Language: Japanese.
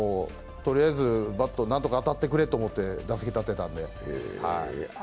とりあえず何とかバット当たってくれと思って打席立ってたんで。